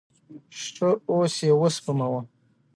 ښه، اوس یی وسپموه